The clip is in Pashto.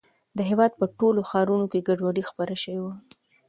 د هېواد په ټولو ښارونو کې ګډوډي خپره شوې وه.